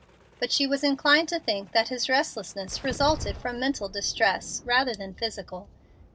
But she was inclined to think that his restlessness resulted from mental distress rather than physical.